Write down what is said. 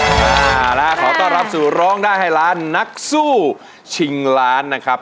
แล้วขอต้อนรับสู่ร้องด้าไหวล้านนักสู้ชิงร้านนะครับ